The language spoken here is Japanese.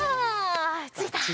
ついた。